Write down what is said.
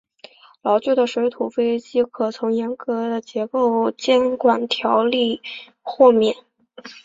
老旧的水上飞机可从严格的结构监管条例豁免。